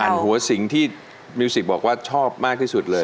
หัวสิ่งที่มิวสิกบอกว่าชอบมากที่สุดเลย